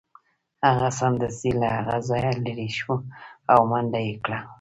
هغه سمدستي له هغه ځایه لیرې شو او منډه یې کړه